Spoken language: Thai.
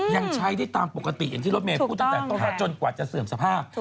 ยังใช้ได้ตามปกติอย่างที่รถเมย์พูดตั้งแต่จนกว่าจะเสื่อมสภาพ